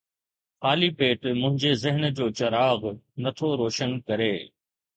خالي پيٽ منهنجي ذهن جو چراغ نه ٿو روشن ڪري